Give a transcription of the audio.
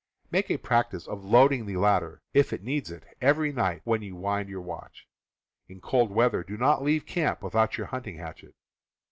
Make a practice of load ing the latter, if it needs it, every night when you wind your watch. In cold weather do not leave camp with out your hunting hatchet.